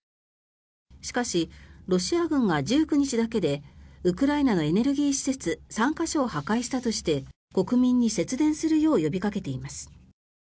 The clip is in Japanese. しかし、ロシア軍が１９日だけでウクライナのエネルギー施設３か所を破壊したとして国民に節電するよう呼びかけています。